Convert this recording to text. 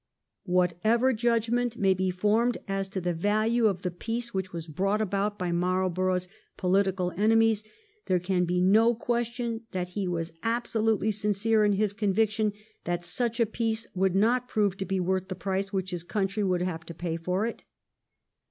Whatever judgment may be formed as to the value of the peace which was brought about by Marlborough's political enemies, there can be no question that he was absolutely sincere in his convic tion that such a peace would not prove to be worth the price which his country would have to pay for it.